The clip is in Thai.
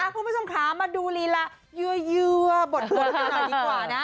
คุณผู้ชมคะมาดูลีละยื้อยื้อบทเพลงหน่อยดีกว่านะ